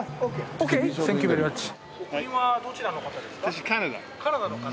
お国はどちらの方ですか？